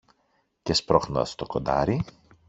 και σπρώχνοντας το κοντάρι